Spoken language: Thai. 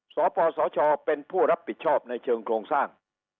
สปสชเป็นผู้รับผิดชอบในเชิงโครงสร้าง